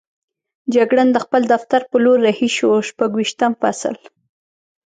جګړن د خپل دفتر په لور رهي شو، شپږویشتم فصل.